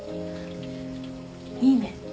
いいね。